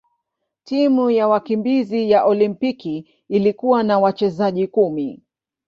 Timu ya wakimbizi ya Olimpiki ilikuwa na wachezaji kumi.